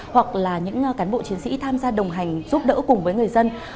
hoặc là những cán bộ chiến sĩ tham gia đồng hành giúp đỡ cùng với người dân